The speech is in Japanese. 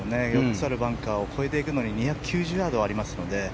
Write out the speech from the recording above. ４つあるバンカーを越えていくのに２９０ヤードありますので。